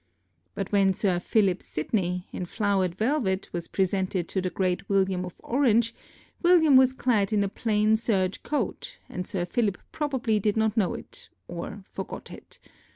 But when Sir Philip Sidney, in flowered velvet, was presented to the great William of Orange, William was clad in a plain serge coat, and Sir Philip probably did not know it, or forgot it.